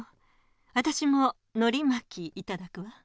わたしものりまきいただくわ！